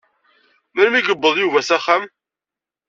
Melmi i yewweḍ Yuba s axxam?